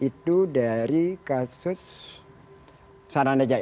itu dari kasus saranajaya